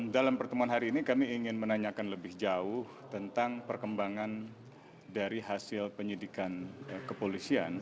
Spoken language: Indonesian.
dalam pertemuan hari ini kami ingin menanyakan lebih jauh tentang perkembangan dari hasil penyidikan kepolisian